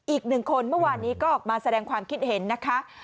อีกหนึ่งคนเมื่อวานนี้ก็ออกมาแสดงความคิดเห็นนะคะ